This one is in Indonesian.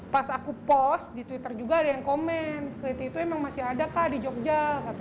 pas aku post di twitter juga ada yang komen kliti itu emang masih ada kah di jogja